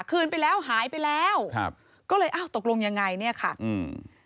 คืนไปแล้วหายไปแล้วครับก็เลยอ้าวตกลงยังไงเนี้ยค่ะอืม